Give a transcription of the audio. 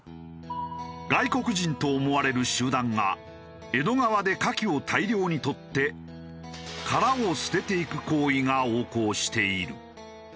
外国人と思われる集団が江戸川でカキを大量に採って殻を捨てていく行為が横行している。